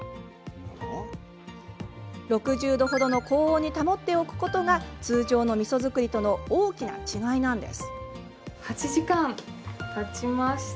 ６０度ほどの高温に保っておくことが通常のみそ造りとの大きな違いなんです。